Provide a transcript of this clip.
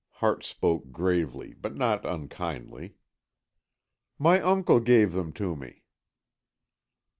Hart spoke gravely but not unkindly. "My uncle gave them to me."